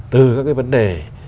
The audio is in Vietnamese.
từ các cái vấn đề